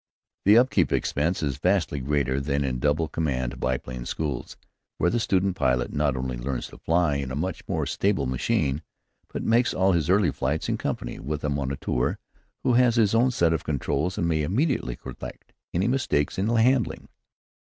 The up keep expense is vastly greater than in double command biplane schools, where the student pilot not only learns to fly in a much more stable machine, but makes all his early flights in company with a moniteur who has his own set of controls and may immediately correct any mistakes in handling.